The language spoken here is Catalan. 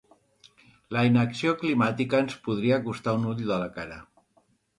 La inacció climàtica ens podria costar un ull de la cara.